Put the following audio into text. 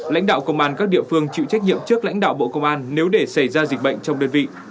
lãnh đạo công an các địa phương chịu trách nhiệm trước lãnh đạo bộ công an nếu để xảy ra dịch bệnh trong đơn vị